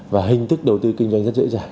và hình thức đầu tư kinh doanh rất dễ dàng